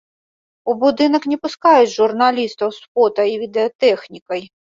У будынак не пускаюць журналістаў з фота і відэатэхнікай.